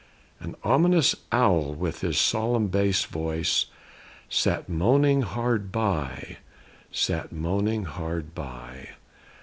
An ominous owl with his solemn bass voice, Sat moaning hard by; sat moaning hard by.